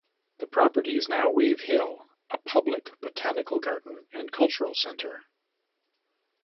The property is now Wave Hill, a public botanical garden and cultural center.